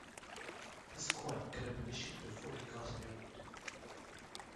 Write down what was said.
This coin could have been issued before he got married.